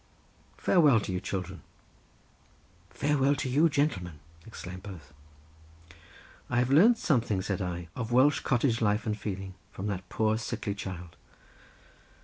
"Farewell to you, children." "Farewell to you, gentleman!" exclaimed both. "I have learnt something," said I, "of Welsh cottage life and feeling from that poor sickly child."